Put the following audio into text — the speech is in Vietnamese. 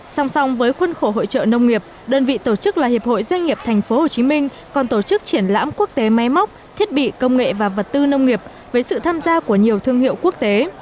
song song với khuôn khổ hội trợ nông nghiệp đơn vị tổ chức là hiệp hội doanh nghiệp tp hcm còn tổ chức triển lãm quốc tế máy móc thiết bị công nghệ và vật tư nông nghiệp với sự tham gia của nhiều thương hiệu quốc tế